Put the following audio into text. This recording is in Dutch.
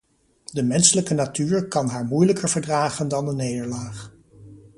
De menselijke natuur kan haar moeilijker verdragen dan een nederlaag.